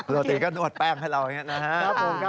โรตีก็นวดแป้งให้เราอย่างนี้นะครับ